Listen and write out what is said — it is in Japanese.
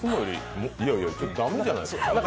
いやいや、駄目じゃないですか。